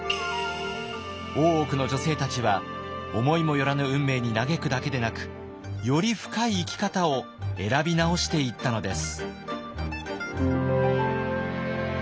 大奥の女性たちは思いも寄らぬ運命に嘆くだけでなくより深い生き方を選び直していったのです。